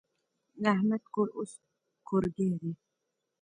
د احمد کور اوس کورګی دی.